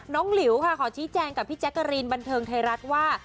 น้องหลิวค่ะขอชี้แจงกับพี่แจ็คกะรีนบรรเทิงไทรรัศกรรมว่า